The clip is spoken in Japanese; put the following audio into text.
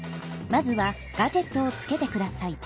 まずはガジェットをつけてください。